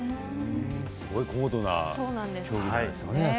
すごい高度な競技なんですね。